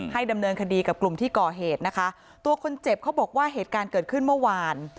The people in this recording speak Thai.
ดำเนินคดีกับกลุ่มที่ก่อเหตุนะคะตัวคนเจ็บเขาบอกว่าเหตุการณ์เกิดขึ้นเมื่อวาน